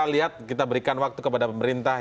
kita lihat kita berikan waktu kepada pemerintah